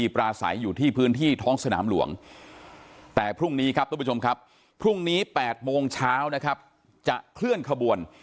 พรุ่งนี้๘โมงเช้าจะเคลื่อนขบวน